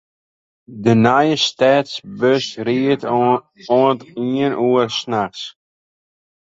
De nije stedsbus rydt oant iene oere nachts.